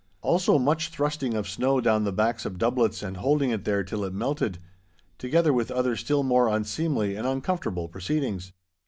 Also much thrusting of snow down the backs of doublets and holding it there till it melted—together with other still more unseemly and uncomfortable proceedings.